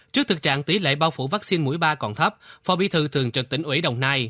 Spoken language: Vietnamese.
trước thực trạng tỷ lệ bao phủ vaccine mũi ba còn thấp phó bí thư thường trực tỉnh ủy đồng nai